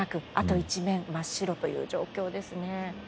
一面真っ白という状況です。